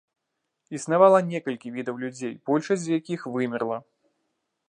Існавала некалькі відаў людзей, большасць з якіх вымерла.